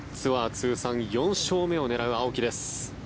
通算４勝目を狙う青木です。